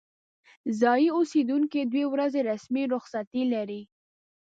ځايي اوسیدونکي دوې ورځې رسمي رخصتي لري.